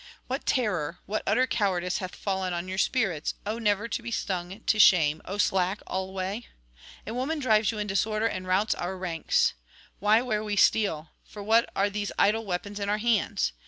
'What terror, what utter cowardice hath fallen on your spirits, O never to be stung to shame, O slack alway? a woman drives you in disorder and routs our ranks! Why wear we steel? for what are these idle weapons in our hands?